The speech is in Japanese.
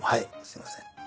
すいません。